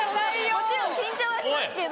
もちろん緊張はしますけど。